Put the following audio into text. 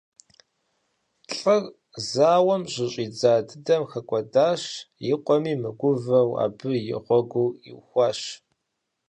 ЛӀыр зауэм щыщӀидза дыдэм хэкӀуэдащ, и къуэми мыгувэу абы и гъуэгур ихуащ.